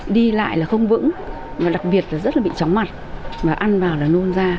đi lại là không vững và đặc biệt là rất là bị chóng mặt mà ăn vào là nôn da